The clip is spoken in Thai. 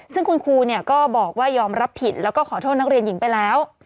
ซึ่งคุณครูก็บอกว่ายอมรับผิดแล้วก็ขอโทษนักเรียนหญิงไปแล้ว